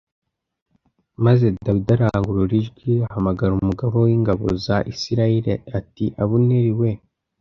maze dawidi arangurura ijwi ahamagara umugaba w ingabo za isirayeli ati abuneri we